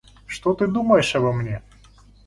Что ты думаешь обо мне?